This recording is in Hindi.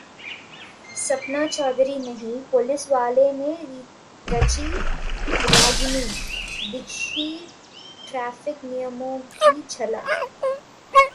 सपना चौधरी नहीं पुलिसवाले ने रची रागिनी, दिखी ट्रैफिक नियमों की झलक